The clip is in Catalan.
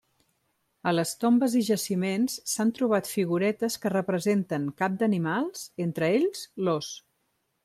A les tombes i jaciments s'han trobat figuretes que representen cap d'animals, entre ells l'ós.